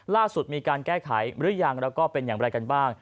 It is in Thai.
ล่าสุดมีการแก้ไขหรือยังแล้วก็เป็นอย่างไรกันบ้าง